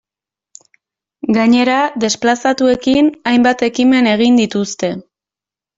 Gainera desplazatuekin hainbat ekimen egin dituzte.